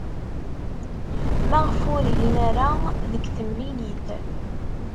Maɣef ur hin ara deg temlilit?